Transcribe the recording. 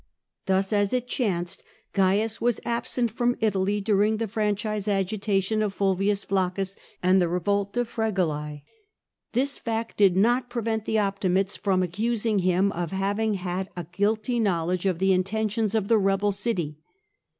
Thus, as it chanced, Oaius was absent from Italy during the franchise agitation of Fulvius Flaccus and the revolt of Fregellae. This fact did not prevent the Optimates from accusing him of having had a guilty knowledge of the intentions of the rebel city.